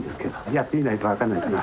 やってみないと分かんないかな。